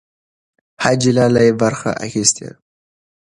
حاجي لالی برخه اخیستې وه.